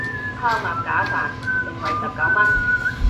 烤鴨架飯，盛惠十九文